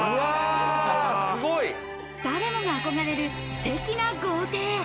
誰もが憧れるすてきな豪邸。